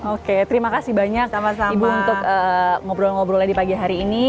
oke terima kasih banyak ibu untuk ngobrol ngobrolnya di pagi hari ini